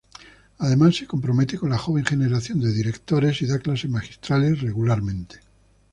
Además se compromete con la joven generación de directores y da clases magistrales regularmente.